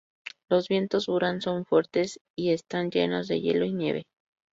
Los vientos Buran son fuertes y están llenos de hielo y nieve.